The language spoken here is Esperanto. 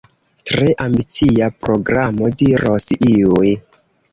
Tre ambicia programo, diros iuj.